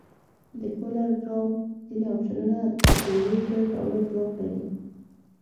د کولر ډراو ځینې افشنونه د یوځای کولو ځواک لري.